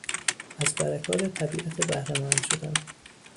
از برکات طبیعت بهرهمند شدن